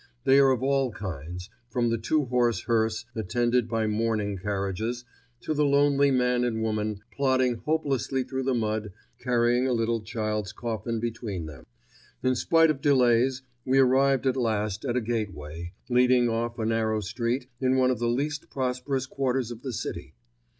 They are of all kinds, from the two horse hearse, attended by mourning carriages, to the lonely man and woman, plodding hopelessly through the mud, carrying a little child's coffin between them. In spite of delays we arrived at last at a gateway, leading off a narrow street in one of the least prosperous quarters of the city.